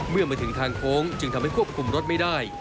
เมื่อมาถึงทางโค้งจึงทำให้ควบคุมรถไม่ได้